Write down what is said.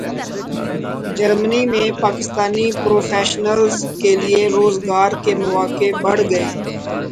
جرمنی میں پاکستانی پروفیشنلز کے لیے روزگار کے مواقع بڑھ گئے